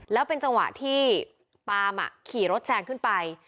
แล้วเป็นจังหวะที่ปามขี่รถแซงขึ้นไป